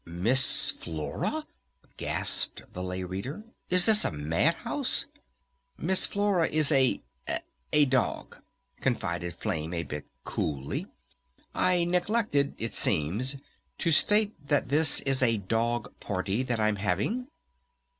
"Miss Flora?" gasped the Lay Reader. "Is this a Mad House?" "Miss Flora is a a dog," confided Flame a bit coolly. "I neglected it seems to state that this is a dog party that I'm having."